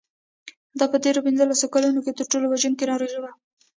دا په تېرو پنځلسو کلونو کې تر ټولو وژونکې ناروغي وه.